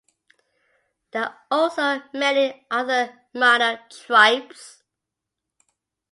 There are also many other minor tribes.